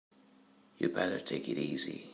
You'd better take it easy.